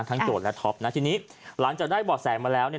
โจทย์และท็อปนะทีนี้หลังจากได้บ่อแสมาแล้ว